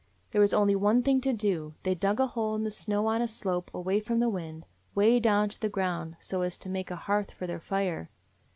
"There was only one thing to do. They dug a hole in the snow on a slope away from the wind, 'way down to the ground, so as to make a hearth for their fire.